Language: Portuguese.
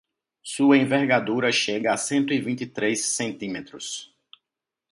Sua envergadura chega a cento e vinte e três centímetros